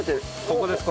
ここです。